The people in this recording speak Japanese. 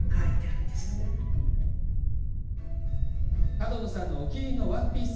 角野さんのお気に入りのワンピース。